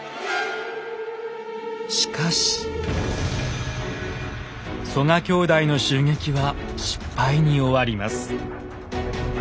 しかし曽我兄弟の襲撃は失敗に終わります。